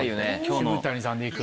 渋谷さんで行く。